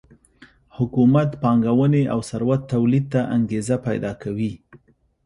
حکومت پانګونې او ثروت تولید ته انګېزه پیدا کوي